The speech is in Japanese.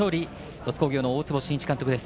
鳥栖工業の大坪慎一監督です。